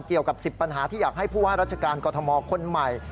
เกี่ยวกับ๑๐ปัญหาที่อยากให้ผู้ว่าราชการกรทมคนใหม่